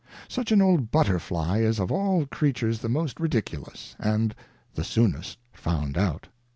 Such an old Butterfly is of all Creatures the most ridiculous, and the soonest found out.